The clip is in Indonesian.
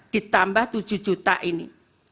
ditambah tujuh juta ini